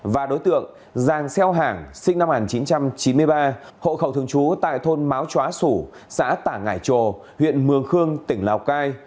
và đối tượng giàng xeo hảng sinh năm một nghìn chín trăm chín mươi ba hộ khẩu thường trú tại thôn máo chóa sủ xã tả ngải trồ huyện mường khương tỉnh lào cai